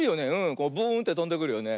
こうブーンってとんでくるよね。